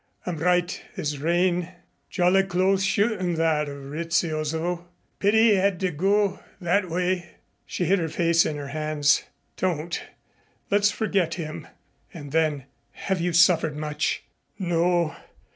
I'm right as rain. Jolly close shootin' that of Rizzio's, though. Pity he had to go that way." She hid her face in her hands. "Don't! Let's forget him." And then, "Have you suffered much?" "No.